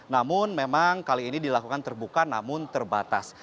namun memang kali ini dilakukan terbuka namun terbatas